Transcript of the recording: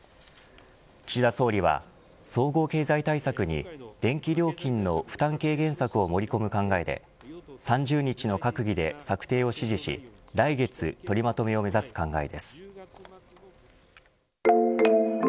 岸田総理は総合経済対策に電気料金の負担軽減策を盛り込む考えで３０日の閣議で策定を指示し来月取りまとめを目指す考えです。